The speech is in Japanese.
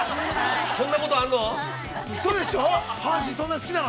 ◆そんなことあるの。